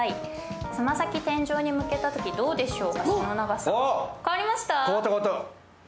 つま先天井に向けたとき、どうでしょうか、足の長さ。